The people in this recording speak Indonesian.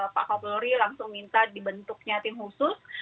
pak kapolri langsung minta dibentuknya tim khusus